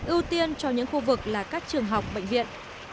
ưu tiên cho những khu vực là các trường học bệnh viện